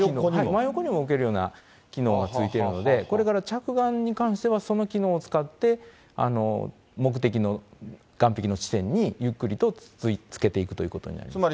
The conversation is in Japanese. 真横にも動けるような機能がついてるので、これから着岸に関しては、その機能を使って、目的の岸壁の地点に、ゆっくりとつけていくということになります。